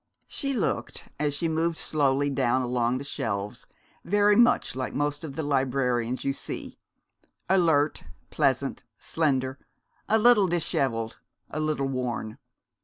She looked, as she moved slowly down along the shelves, very much like most of the librarians you see; alert, pleasant, slender, a little dishevelled, a little worn.